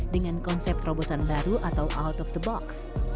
dengan konsep terobosan baru atau out of the box